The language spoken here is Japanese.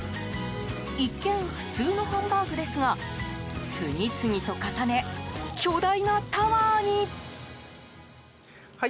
一見、普通のハンバーグですが次々と重ね、巨大なタワーに。